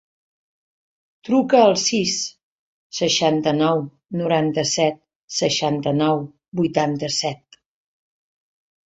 Truca al sis, seixanta-nou, noranta-set, seixanta-nou, vuitanta-set.